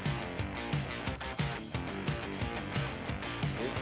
えっ？